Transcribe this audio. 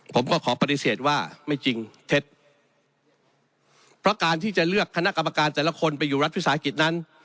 ผมก็ขอปฏิเสธว่าไม่จริงเท็จเพราะการที่จะเลือกคณะกรรมการแต่ละคนไปอยู่รัฐวิสาหกิจนั้น